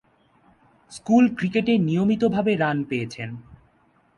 School ক্রিকেটে নিয়মিতভাবে run পেয়েছেন।